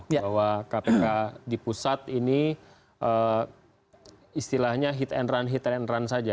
bahwa kpk di pusat ini istilahnya hit and run hit and run saja